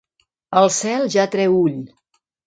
El cel ja treu ull.